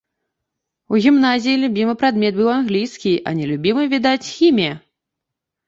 У гімназіі любімы прадмет быў англійскі, а нелюбімы, відаць, хімія.